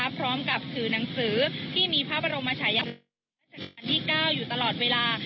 พร้อมกับสื่อหนังสือที่มีภาพอารมณ์มาใช้อย่างจัดงานที่๙อยู่ตลอดเวลา